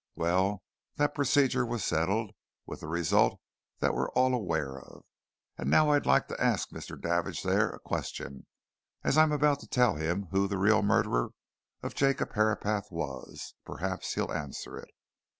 Well, that procedure was settled with the result that we're all aware of. And now I'd like to ask Mr. Davidge there a question as I'm about to tell him who the real murderer of Jacob Herapath was, perhaps he'll answer it.